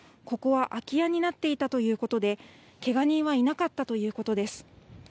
ここは空き家になっていたということでけが人はいなかったということです。